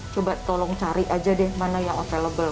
coba tolong cari aja deh mana yang available